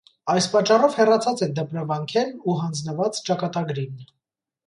Այս պատճառով հեռացած է դպրըվանքէն ու յանձնուած ճակատագրին։